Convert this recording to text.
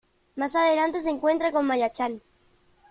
Más adelante se encuentran con Maya-Chan.